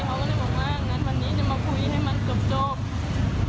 เขาก็เลยบอกว่าอันนั้นวันนี้จะมาคุยให้มันเกือบโจทย์